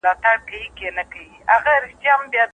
ځواکمن سياست کولای سي ستر بدلونونه راولي.